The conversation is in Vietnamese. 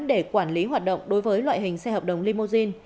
để quản lý hoạt động đối với loại hình xe hợp đồng limousine